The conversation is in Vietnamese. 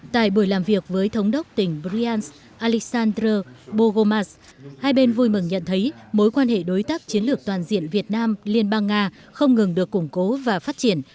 tại buổi làm việc với thống đốc tỉnh brian alisander bogomas hai bên vui mừng nhận thấy mối quan hệ đối tác chiến lược toàn diện việt nam liên bang nga không ngừng được củng cố và phát triển